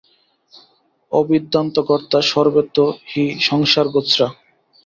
অবিদ্যান্তর্গতা সর্বে তে হি সংসারগোচরাঃ।